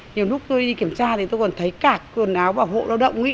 nhiều lúc tôi đi kiểm tra thì tôi còn thấy cả quần áo bảo hộ lao động